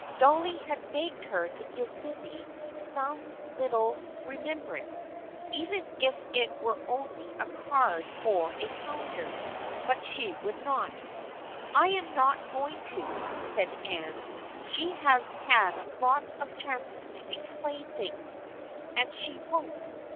Dolly had begged her to give Sydney some little re THE FRIENDSHIP OF ANNE 181 membrance, even if it were only a card or a calendar, but she would not. " I am not going to," said Anne. " She has had lots of chances to explain things, and she won't.